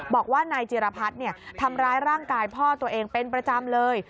บอกว่านายจิรพัฒน์ทำร้ายร่างกายพ่อตัวเองเป็นประจำเลย